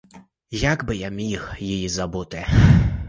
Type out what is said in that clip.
Якби я міг її забути!